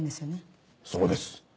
そうです。